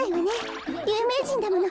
ゆうめいじんだもの